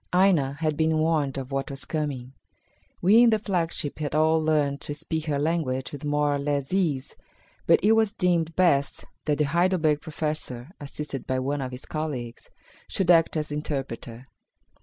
Aina had been warned of what was coming. We in the flagship had all learned to speak her language with more or less ease, but it was deemed best that the Heidelberg Professor, assisted by one of his colleagues, should act as interpreter.